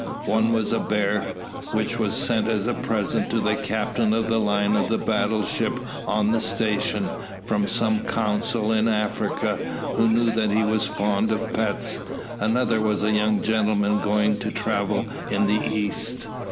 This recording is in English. One was a bear, which was sent as a present to the captain of a line of battle ship on the station, from some consul in Africa, who knew that he was fond of pets; another was a young gentleman going to travel in the East.